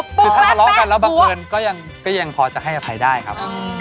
คือถ้าทะเลาะกันแล้วบังเอิญก็ยังพอจะให้อภัยได้ครับ